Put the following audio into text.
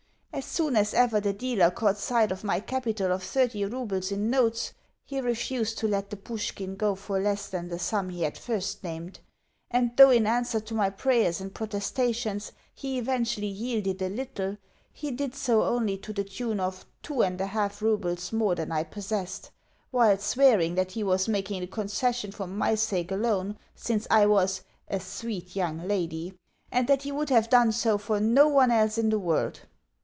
As soon as ever the dealer caught sight of my capital of thirty roubles in notes, he refused to let the Pushkin go for less than the sum he had first named; and though, in answer to my prayers and protestations, he eventually yielded a little, he did so only to the tune of two and a half roubles more than I possessed, while swearing that he was making the concession for my sake alone, since I was "a sweet young lady," and that he would have done so for no one else in the world.